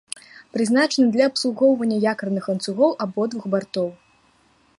Прызначаны для абслугоўвання якарных ланцугоў абодвух бартоў.